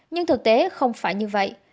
nhưng thực tế không phải như vậy